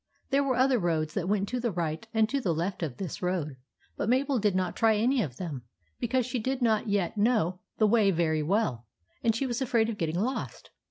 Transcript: There were other roads that went to the right and to the left of this road ; but Mabel did not try any of them, because she did not yet know the way very well, and was afraid of getting lost.